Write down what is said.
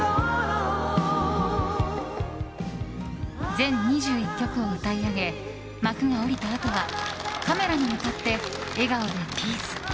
全２１曲を歌い上げ幕が下りたあとはカメラに向かって笑顔でピース。